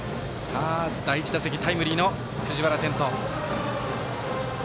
第１打席、タイムリーの藤原天斗。